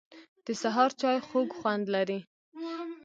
د سهار چای خوږ خوند لري